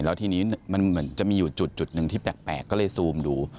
แล้วทีนี้มันเหมือนจะมีอยู่จุดหนึ่งที่แปลกก็เลยซูมดู